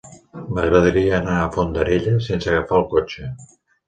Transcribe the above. M'agradaria anar a Fondarella sense agafar el cotxe.